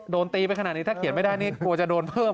โดนตีไปขนาดนี้ถ้าเขียนไม่ได้นี่กลัวจะโดนเพิ่ม